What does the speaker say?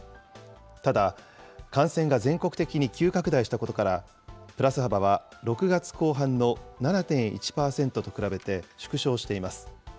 ただ、感染が全国的に急拡大したことから、プラス幅は６月後半の７．１％と比べて縮小しています。